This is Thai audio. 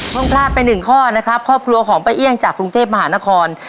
พลาดไปหนึ่งข้อนะครับครอบครัวของป้าเอี่ยงจากกรุงเทพมหานคร